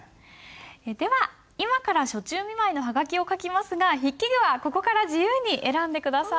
では今から暑中見舞いのハガキを書きますが筆記具はここから自由に選んで下さい。